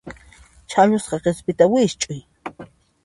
Chhallusqa qispita wikch'uy.